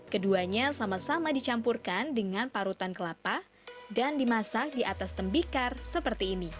keduanya sama sama dicampurkan dengan parutan kelapa dan dimasak di atas tembikar seperti ini